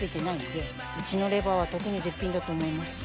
うちのレバーは特に絶品だと思います。